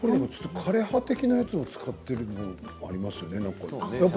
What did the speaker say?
枯れ葉的なものを使っているのもありますよね。